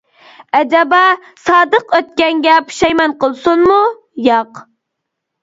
ئەجەبا سادىق ئۆتكەنگە پۇشايمان قىلسۇنمۇ؟ ياق!